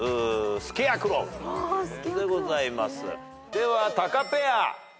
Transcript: ではタカペア。